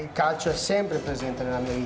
saya juga menjual restoran di los angeles